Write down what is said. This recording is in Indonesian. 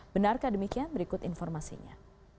benarkah demikian berikut informasinya